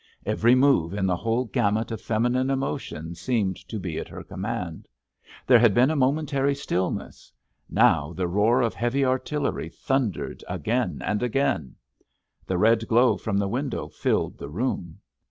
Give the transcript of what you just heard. Every move in the whole gamut of feminine emotion seemed to be at her command. There had been a momentary stillness; now the roar of heavy artillery thundered again and again. The red glow from the window filled the room.